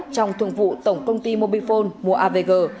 trong thường vụ tổng công ty mobifone mua avg